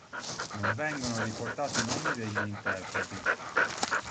Non vengono riportati i nomi degli interpreti.